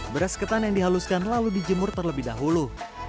beras ketan yang dihaluskan lalu dijemur terlebih dahulu